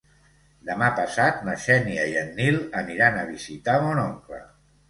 Demà passat na Xènia i en Nil aniran a visitar mon oncle.